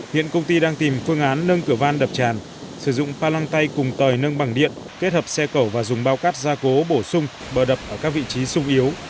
hiện công ty đang tìm phương án nâng cửa van đập tràn sử dụng pha lăng tay cùng tời nâng bằng điện kết hợp xe cẩu và dùng bao cát gia cố bổ sung bờ đập ở các vị trí sung yếu